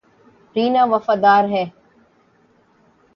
رینا وفادار ہے